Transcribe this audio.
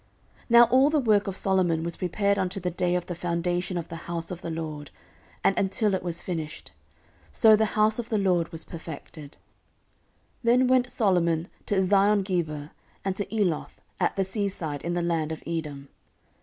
14:008:016 Now all the work of Solomon was prepared unto the day of the foundation of the house of the LORD, and until it was finished. So the house of the LORD was perfected. 14:008:017 Then went Solomon to Eziongeber, and to Eloth, at the sea side in the land of Edom.